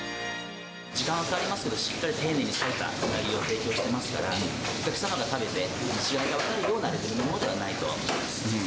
時間はかかりますけど、しっかり丁寧に割いたウナギを提供していますから、お客様が食べて、違いが分かるようなレベルではないと。